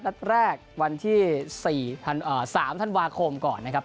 นัดแรกวันที่๓ธันวาคมก่อนนะครับ